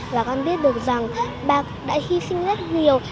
và con biết được rằng bác đã hy sinh rất nhiều